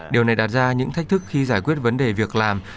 điều này đặt ra những thách thức khi giải quyết vấn đề việc làm